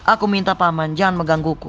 aku minta paman jangan menggangguku